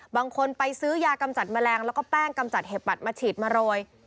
บางคนไปซื้อยากำจัดแมลงแล้วก็แป้งกำจัดเห็บปัดมาฉีดมาโรย